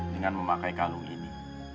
dengan memakai kalung ini